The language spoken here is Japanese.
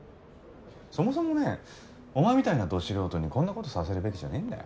そもそもねお前みたいなど素人にこんなことさせるべきじゃねえんだよ。